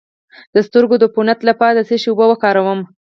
د سترګو د عفونت لپاره د څه شي اوبه وکاروم؟